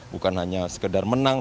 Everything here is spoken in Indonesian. bukan hanya sekedar menang